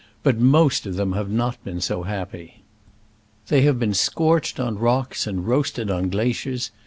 But most of them have not been so happy. They have been scorched on rocks and roast ed on glaciers.